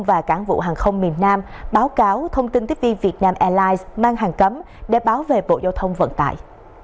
và cảng vụ hàng không miền nam báo cáo thông tin tiếp vietnam airlines mang hàng cấm để báo về bộ giao thông vận tải